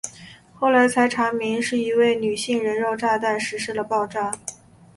后来才查明是一位女性人肉炸弹实施了爆炸。